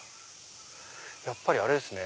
やっぱりあれですね